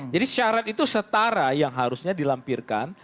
jadi syarat itu setara yang harusnya dilampirkan